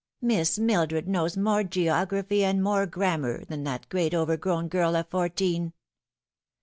Miss Mildred knows more geography and more grammar than that great overgrown girl of fourteen."